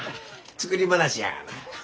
作り話やがな。